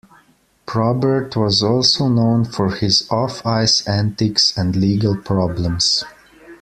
Probert was also known for his off-ice antics and legal problems.